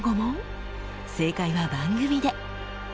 正解は番組で！